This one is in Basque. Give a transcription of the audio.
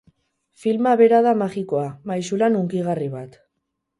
Filma bera da magikoa, maisulan hunkigarri bat.